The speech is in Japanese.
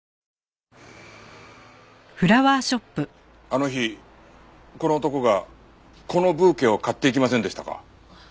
あの日この男がこのブーケを買っていきませんでしたか？